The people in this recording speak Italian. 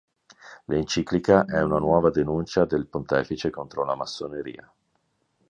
L'Enciclica è una nuova denuncia del Pontefice contro la Massoneria.